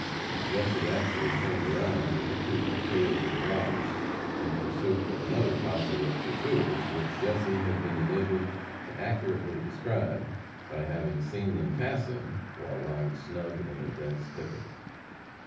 And Jesse actually turned around with the two pursuers of the robbers, in pursuit of another posse of pursuers which Jesse had been enabled to accurately describe by having seen them pass him while lying snug in a dense thicket.